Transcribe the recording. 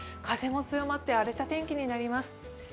風も強まって荒れた天気になります。